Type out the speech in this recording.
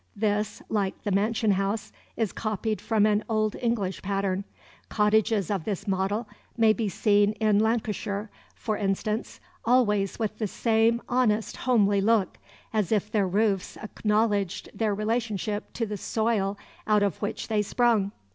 This, like the "mansion house," is copied from an old English pattern. Cottages of this model may be seen in Lancashire, for instance, always with the same honest, homely look, as if their roofs acknowledged their relationship to the soil out of which they sprung.